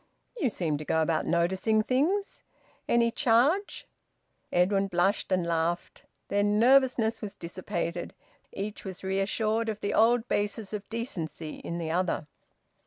"You seem to go about noticing things. Any charge?" Edwin blushed and laughed. Their nervousness was dissipated. Each was reassured of the old basis of `decency' in the other.